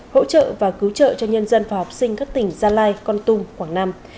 hỗ trợ và cứu trợ cho nhân dân và học sinh các tỉnh gia lai con tum quảng nam